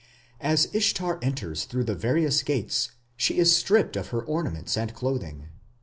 As Ishtar enters through the various gates she is stripped of her ornaments and clothing.